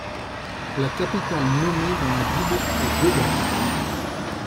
La capitale nommée dans la Bible est Dedan.